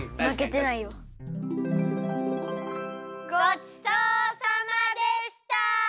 ごちそうさまでした！